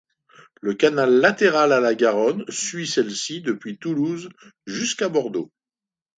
Le canal latéral à la Garonne suit celle-ci depuis Toulouse jusqu’à Bordeaux.